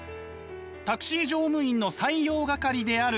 タクシー乗務員の採用係である小林さん。